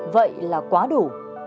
vậy là quá đủ